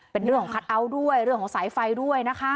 เป็นเรื่องของคัทเอาท์ด้วยเรื่องของสายไฟด้วยนะคะ